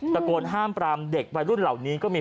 ตะโกนห้ามปรามเด็กวัยรุ่นเหล่านี้ก็มี